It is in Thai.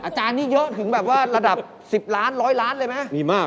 อาจารย์นี้เยอะถึงแบบว่าระดับ๑๐ล้าน๑๐๐ล้านเลยไง